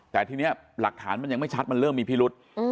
แต่ทีนี้หลักฐานมันยังไม่ชัดมันเริ่มมีพิรุษ